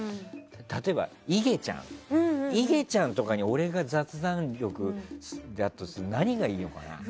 例えば、いげちゃんとかに俺が雑談力を出すとして何がいいのかな？